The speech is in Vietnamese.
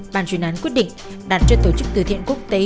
bàn chuyên án quyết định đặt cho tổ chức từ thiện quốc tế